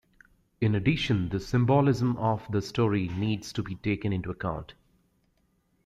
In addition the symbolism of the story needs to be taken into account.